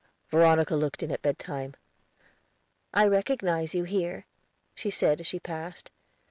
Veronica looked in at bed time. "I recognize you here," she said as she passed.